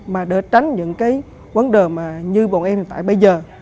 mà đỡ tránh những cái vấn đề mà như bọn em hiện tại bây giờ